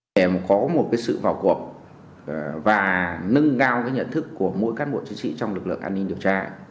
để có một sự vào cuộc và nâng ngao nhận thức của mỗi cán bộ chính trị trong lực lượng an ninh điều tra